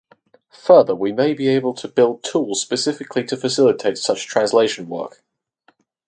Further, we may be able to build tools specifically to facilitate such translation work.